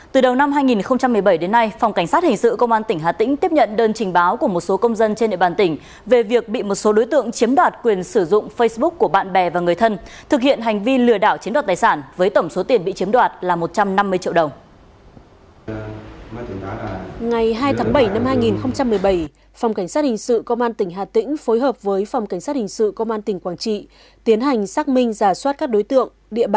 từ đầu năm hai nghìn một mươi bảy đến nay phòng cảnh sát hình sự công an tỉnh hà tĩnh tiếp nhận đơn trình báo của một số công dân trên địa bàn tỉnh về việc bị một số đối tượng chiếm đoạt quyền sử dụng facebook của bạn bè và người thân thực hiện hành vi lừa đảo chiếm đoạt tài sản với tổng số tiền bị chiếm đoạt là một trăm năm mươi triệu đồng